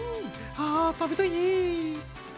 あ食べたいね。